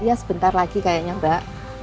ya sebentar lagi kayaknya mbak